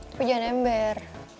tapi jangan ember